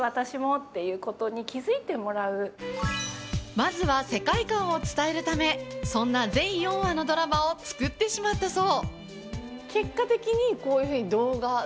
まずは世界観を伝えるためそんな全４話のドラマを作ってしまったそう。